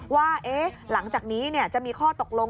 ว่าหลังจากนี้จะมีข้อตกลง